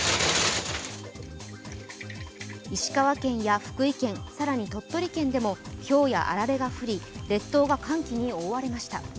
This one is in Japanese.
石川県や福井県、さらに鳥取県でもひょうやあられが降り列島が寒気に覆われました。